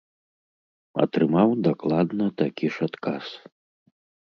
Атрымаў дакладна такі ж адказ.